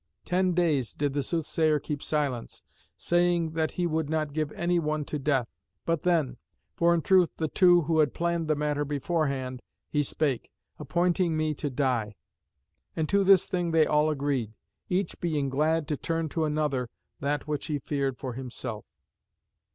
Ten days did the soothsayer keep silence, saying that he would not give any one to death. But then, for in truth the two had planned the matter beforehand, he spake, appointing me to die. And to this thing they all agreed, each being glad to turn to another that which he feared for himself.